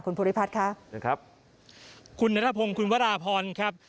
คุณภูริพัฒน์ค่ะนะครับคุณนัทพงศ์คุณวราพรครับ